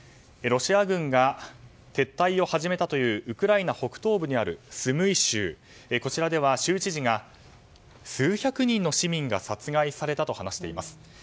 ロシア軍が撤退を始めたというウクライナ北東部にあるスムイ州、こちらでは州知事が数百人の市民が殺害されたと話しています。